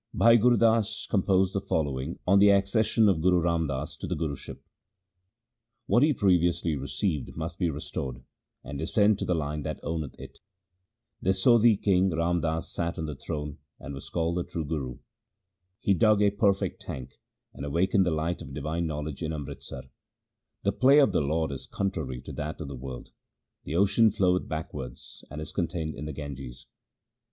1 Bhai Gut Das composed the following on the accession of Guru Ram Das to the Guruship :— What he previously received must be restored, and descend to the line that owneth it. The Sodhi king Ram Das sat on the throne, and was called the true Guru. He dug a perfect tank, and awakened the light of divine knowledge in Amritsar. The play of the Lord is contrary to that of the world ; the ocean floweth backwards, and is contained in the Ganges.